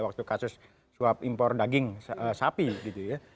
waktu kasus suap impor daging sapi gitu ya